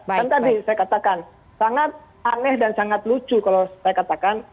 kan tadi saya katakan sangat aneh dan sangat lucu kalau saya katakan